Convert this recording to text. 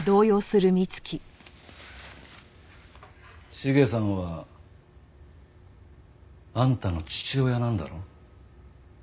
茂さんはあんたの父親なんだろ？